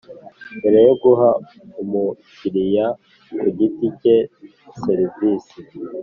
Mbere yo guha umukiriya ku giti cye serivisi